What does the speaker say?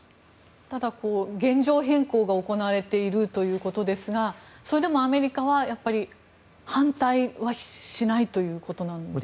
ただ、現状変更が行われているということですがそれでもアメリカは反対はしないということですか。